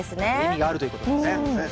意味があるということですね。